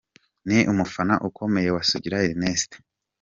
Ni umufana ukomeye wa Sugira Ernest.